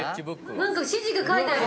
何か指示が書いてあるよ